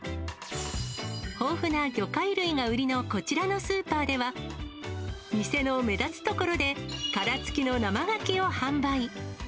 豊富な魚介類が売りのこちらのスーパーでは、店の目立つ所で殻付きの生ガキを販売。